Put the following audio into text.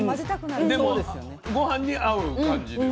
うんでもごはんに合う感じです。